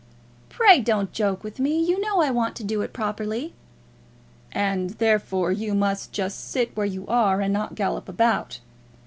"Pray don't joke with me. You know I want to do it properly." "And therefore you must sit just where you are, and not gallop about.